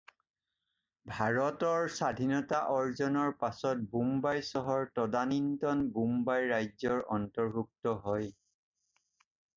ভাৰতৰ স্বাধীনতা অৰ্জনৰ পাছত বোম্বাই চহৰ তদানীন্তন বোম্বাই ৰাজ্যৰ অন্তৰ্ভুক্ত হয়।